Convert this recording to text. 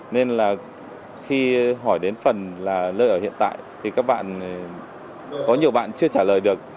nên là khi hỏi đến phần là nơi ở hiện tại thì các bạn có nhiều bạn chưa trả lời được